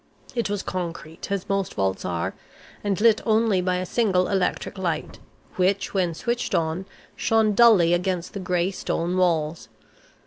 It was concrete, as most vaults are, and lit only by a single electric light, which, when switched on, shone dully against the gray stone walls.